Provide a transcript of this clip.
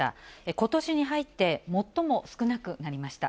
ことしに入って最も少なくなりました。